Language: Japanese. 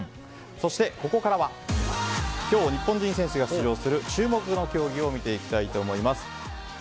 そして、ここからは今日、日本人選手が出場する注目の競技を見ていきます。